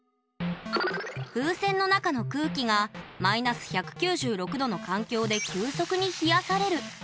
風船の中の空気がマイナス１９６℃の環境で急速に冷やされる。